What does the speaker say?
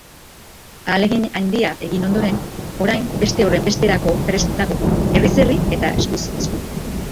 Ahalegin haindia egin ondoren, orain beste horrenbesterako prest dago, herriz herri eta eskuz esku.